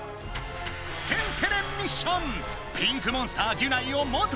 天てれミッション！